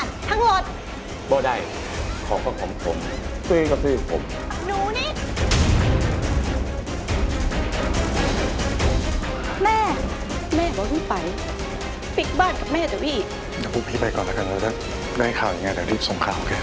บ่ไดของก็ของผม